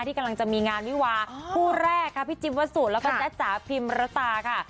ที่กำลังจะมีงานวิวาคู่แรกค่ะพี่จิ๊บวัสสุแล้วก็จ๊ะจ๋าพิมรตาค่ะ